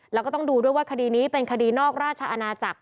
แล้วก็ต้องดูด้วยว่าคดีนี้เป็นคดีนอกราชอาณาจักร